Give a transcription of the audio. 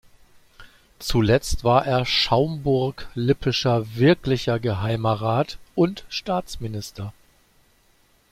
Zuletzt war er schaumburg-lippischer Wirklicher Geheimer Rat und Staatsminister.